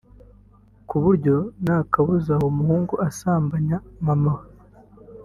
ku buryo nta kabuza uwo muhungu asambanya mama